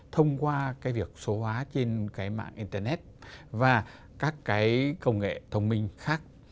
thông qua việc số hóa trên mạng internet và các công nghệ thông minh khác